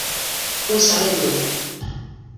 Ho celebro.